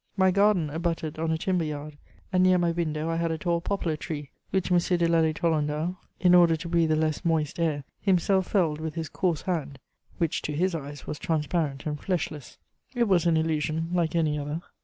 My garden abutted on a timber yard, and near my window I had a tall poplar tree, which M. de Lally Tolendal, in order to breathe a less moist air, himself felled with his coarse hand, which to his eyes was transparent and fleshless: it was an illusion like any other.